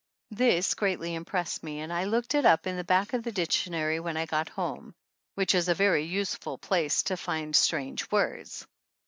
This greatly impressed me and I looked it up in the back of the dictionary when I got home, which is a very useful place to find strange words.